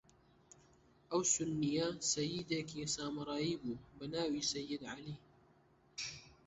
ئەو سوننییە سەییدێکی سامرایی بوو، بە ناوی سەیید عەلی